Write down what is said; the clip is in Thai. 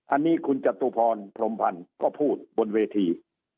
อันนี้คุณจตุพรพรมพันธ์ก็พูดบนเวที